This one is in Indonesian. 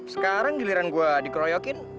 sekarang giliran gue dikeroyokin